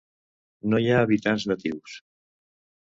No hi ha habitants natius.